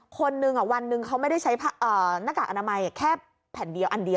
คนหนึ่งวันหนึ่งเขาไม่ได้ใช้หน้ากากอนามัยแค่แผ่นเดียวอันเดียว